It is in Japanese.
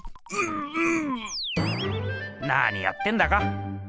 何やってんだか。